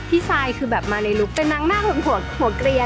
พี่ไซค์คือแบบมาในลุคเป็นนางนาคเหมือนหัวกเรียนอะ